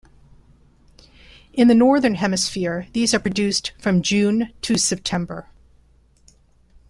In the northern hemisphere these are produced from June to September.